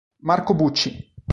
Marco Bucci